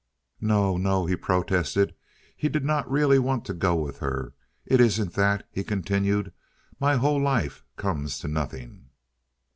"No, no," he protested. He really did not want to go with her. "It isn't that," he continued. "My whole life comes to nothing."